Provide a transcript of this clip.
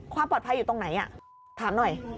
ความปลอดภัยอยู่ตรงไหนถามหน่อย